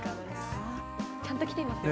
ちゃんときていますよ。